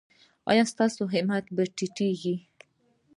ایا ستاسو همت به ټیټیږي؟